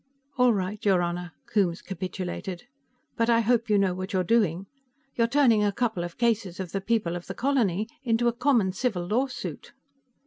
"All right, your Honor," Coombes capitulated. "But I hope you know what you're doing. You're turning a couple of cases of the People of the Colony into a common civil lawsuit."